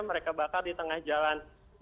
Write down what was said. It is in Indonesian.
mereka bakar di tengah jalan